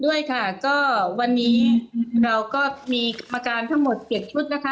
ด้วยค่ะก็วันนี้เราก็มีกรรมการทั้งหมดเปลี่ยนชุดนะคะ